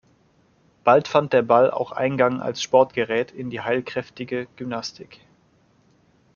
Bald fand der Ball auch Eingang als Sportgerät in die heilkräftige Gymnastik.